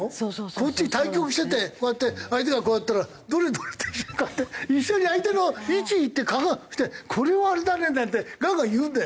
こっち対局しててこうやって相手がこうやったら「どれどれ？」って一緒にこうやって一緒に相手の位置に行って肩組んで「これはあれだね」なんてガンガン言うんだよ。